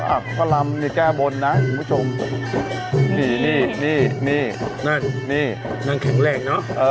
อ่าลำแกบนนะคุณผู้ชมนี่นี่นี่นี่นั่นนั่นแข็งแรงเนอะเออ